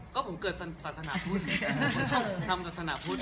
ก็ผมเกิดสรรสนาพุส